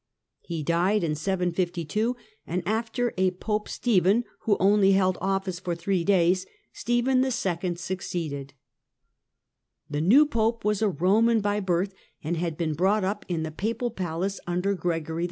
He died in 752, and after a Pope, Stephen, who only held office for three days, Stephen II. succeeded. The The new Pope was a Roman by birth, and had been qfOonstan brought up in the Papal palace under Gregory II.